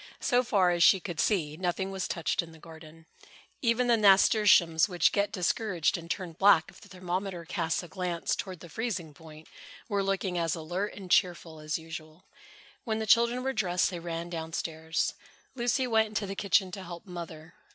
So far as she could see, nothing was touched in the garden. Even the nasturtiums, which get discouraged and turn black if the thermometer casts a glance toward the freezing point, were looking as alert and cheerful as usual. When the children were dressed, they ran down stairs. Lucy went into the kitchen to help Mother.